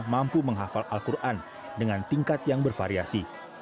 mampu menghafal al quran dengan tingkat yang bervariasi